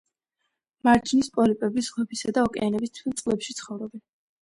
მარჯნის პოლიპები ზღვებისა და ოკეანეების თბილ წყლებში ცხოვრობენ.